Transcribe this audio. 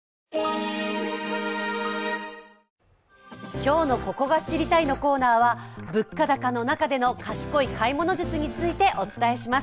今日の「ここが知りたい！」のコーナーは、物価高の中での賢い買い物術についてお伝えします。